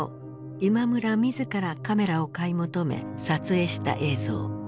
今村自らカメラを買い求め撮影した映像。